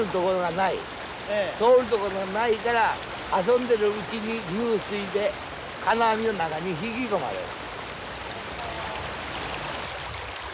通る所ないから遊んでるうちに流水で金網の中に引き込まれる。